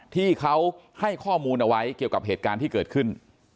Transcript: ที่เขาให้ข้อมูลเอาไว้เกี่ยวกับเหตุการณ์ที่เกิดขึ้น